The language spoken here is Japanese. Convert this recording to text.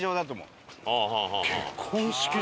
結婚式場？